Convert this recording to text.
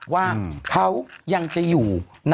ว่าเขายังจะอยู่